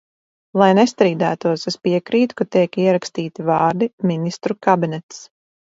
"Lai nestrīdētos, es piekrītu, ka tiek ierakstīti vārdi "Ministru kabinets"."